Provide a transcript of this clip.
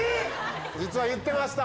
実は言ってました。